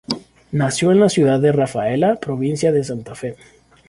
Nació en la ciudad de Rafaela, provincia de Santa Fe.